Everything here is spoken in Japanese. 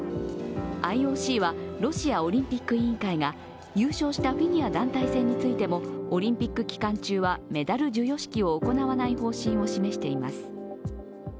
ＩＯＣはロシアオリンピック委員会が優勝したフィギュア団体戦についてもオリンピック期間中はメダル授与式を行わない方針を示しています。